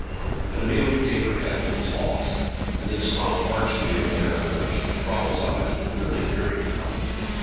And Amelia gave her head a little toss, and then smiled archly, in a manner which, to Cradell's eyes, was really very becoming.